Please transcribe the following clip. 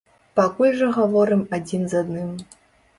Пакуль жа гаворым адзін з адным.